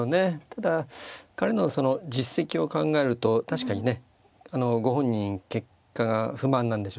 ただ彼のその実績を考えると確かにねご本人結果が不満なんでしょうね。